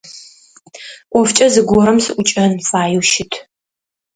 Ӏофкӏэ зыгорэм сыӏукӏэн фаеу щыт.